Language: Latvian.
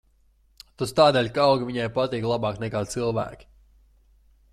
Tas tādēļ, ka augi viņai patīk labāk nekā cilvēki.